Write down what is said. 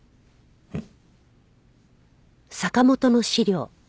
うん。